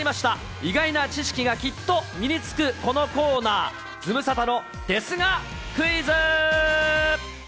意外な知識がきっと身につくこのコーナー、ズムサタのですがクイズ。